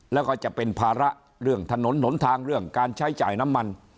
แล้วก็จะเป็นภาระเรื่องถนนหนทางเรื่องการใช้จ่ายน้ำมัน